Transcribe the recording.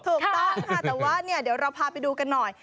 ถูกต้องค่ะแต่ว่าเนี่ยเดี๋ยวเราพาไปดูกันหน่อย